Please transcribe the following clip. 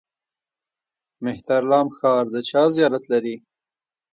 مهترلام ښار د چا زیارت لري؟